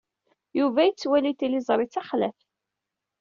Yuba yettwali Tiziri d taxlaft.